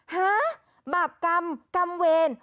หาบาปกรรมกรรมเวร